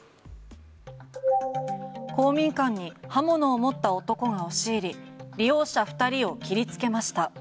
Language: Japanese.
公民館に刃物を持った男が押し入り利用者２人を切りつけました。